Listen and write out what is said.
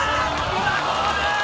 今ゴール！